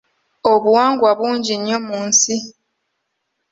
Obuwangwa bungi nnyo mu nsi.